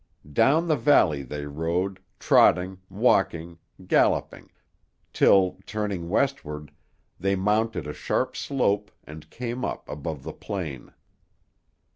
Down the valley they rode, trotting, walking, galloping, till, turning westward, they mounted a sharp slope and came up above the plain.